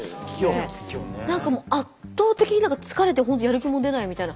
何か圧倒的に疲れて本当やる気も出ないみたいな。